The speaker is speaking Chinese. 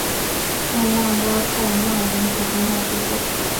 圣旺拉泰讷人口变化图示